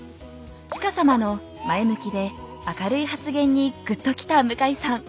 チカさまの前向きで明るい発言にグッときた向井さん。